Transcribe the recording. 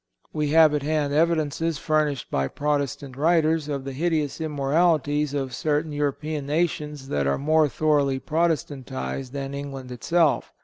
We have at hand evidences, furnished by Protestant writers, of the hideous immoralities of certain European nations that are more thoroughly Protestantized than England itself.